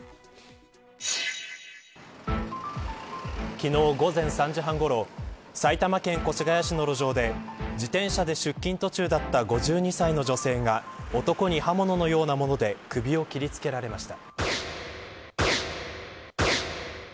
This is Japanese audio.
昨日、午前３時半ごろ埼玉県越谷市の路上で自転車で出勤途中だった５２歳の女性が男に刃物のようなもので首を切りつけられました。